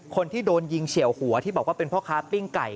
คนที่โดนยิงเฉียวหัวที่บอกว่าเป็นพ่อค้าปิ้งไก่